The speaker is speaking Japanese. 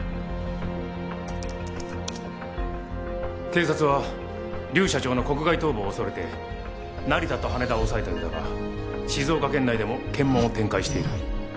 警察は劉社長の国外逃亡を恐れて成田と羽田を押さえたようだが静岡県内でも検問を展開している。